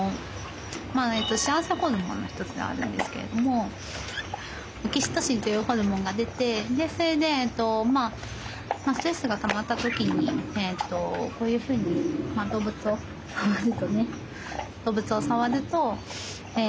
幸せホルモンの一つがあるんですけれどもオキシトシンというホルモンが出てそれでストレスがたまった時にこういうふうに動物を触るとね